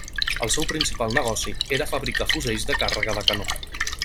El seu principal negoci era fabricar fusells de càrrega de canó.